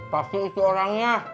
pasti itu orangnya